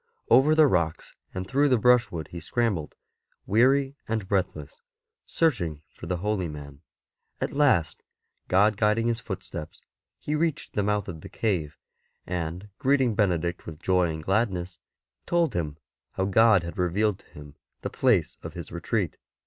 Over the rocks and through the brushwood he scrambled, weary and breathless, searching for the holy man. At last, God guiding his footsteps, he reached the mouth of the cave, and greeting Benedict with joy and gladness, told him how God had revealed to him the place of his retreat.